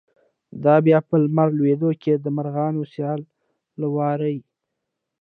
“دا به بیا په لمر لویدو کی، د مرغانو سیل له ورایه